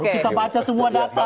kita baca semua data